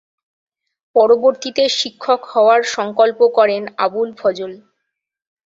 পরবর্তীতে শিক্ষক হওয়ার সংকল্প করেন আবুল ফজল।